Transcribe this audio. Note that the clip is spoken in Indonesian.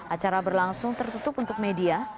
acara berlangsung tertutup untuk media